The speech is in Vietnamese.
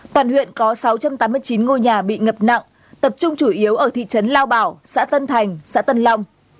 toàn huyện có sáu trăm tám mươi chín ngôi nhà bị ngập nặng tập trung chủ yếu ở thị trấn lao bảo xã tân thành xã tân long